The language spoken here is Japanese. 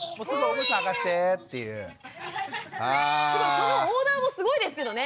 そのオーダーもすごいですけどね。